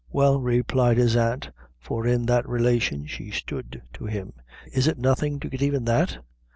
"Well," replied his aunt, for in that relation she stood to him, "is it nothing to get even that?